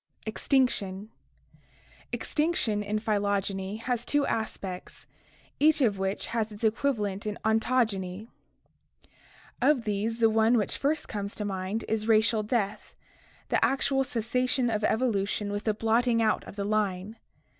J EXTINCTION 1 ! Extinction in phytogeny has two aspects, each of which has its equivalent in ontogeny. Of these the one which first comes to mind is racial death — the actual cessation of evolution with the blotting out of the line.